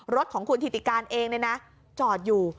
รถของคุณธิติการเองจอดอยู่